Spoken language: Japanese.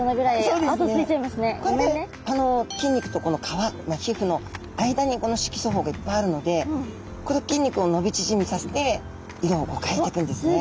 これ筋肉とこの皮皮膚の間にこの色素胞がいっぱいあるのでこの筋肉をのび縮みさせて色を変えてくんですね。